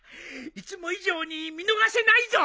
いつも以上に見逃せないぞ。